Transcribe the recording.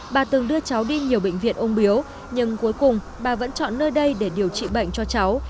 bà từng đưa cháu đi nhiều bệnh viện ung biếu nhưng cuối cùng bà vẫn chọn nơi đây để điều trị bệnh cho cháu